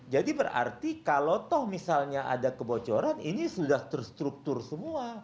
jadi berarti kalau misalnya ada kebocoran ini sudah terstruktur semua